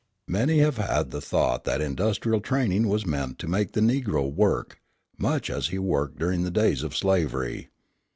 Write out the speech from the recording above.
Many have had the thought that industrial training was meant to make the Negro work, much as he worked during the days of slavery.